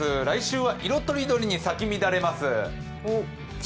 来週は色とりどりに咲き乱れます。